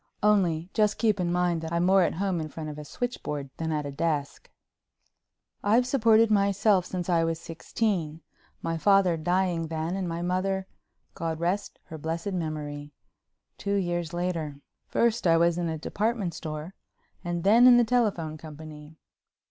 Only just keep in mind that I'm more at home in front of a switchboard than at a desk. I've supported myself since I was sixteen, my father dying then, and my mother—God rest her blessed memory!—two years later. First I was in a department store and then in the Telephone Company.